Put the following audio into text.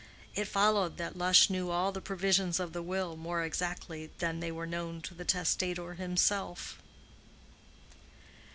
It followed that Lush knew all the provisions of the will more exactly than they were known to the testator himself.